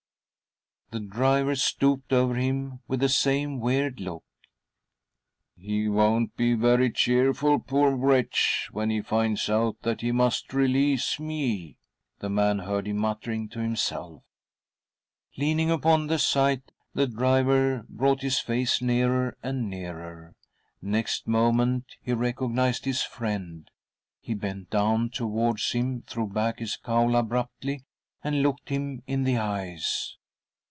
The driver stooped over him with the same weird look. " He won't be very cheerful, poor "wretch, when he finds out that he must ;••'•"'.; 50 THY SOUL SHALL BEAR WITNESS I release me," the man heard him muttering to himself. : Leaning upon the scythe, the driver brought his face nearer and nearer ; next moment he recognised his friend. He bent : down towards him, threw back his cowl abruptly, and' looked him in the eyes.